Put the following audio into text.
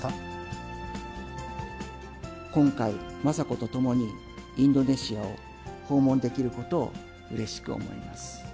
今回、雅子と共にインドネシアを訪問できることをうれしく思います。